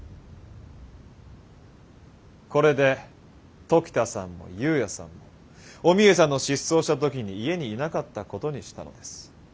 これで時田さんも由也さんもお三枝さんの失踪した時に家にいなかったことにしたのです。